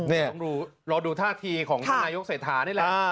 นี่ต้องรอดูท่าทีของท่านนายกเศรษฐานี่แหละ